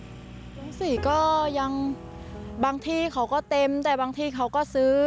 ทั้งสี่ก็ยังบางที่เขาก็เต็มแต่บางที่เขาก็ซื้อ